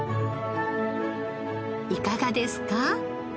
いかがですか？